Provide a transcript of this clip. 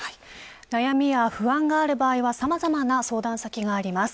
悩みや不安がある場合にはさまざまな相談先があります。